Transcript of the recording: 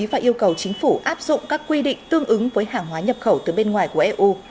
và yêu cầu chính phủ áp dụng các quy định tương ứng với hàng hóa nhập khẩu từ bên ngoài của eu